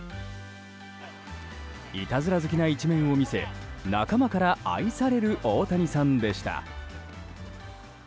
いたずら好きな一面を見せ仲間から愛される大谷さんでした。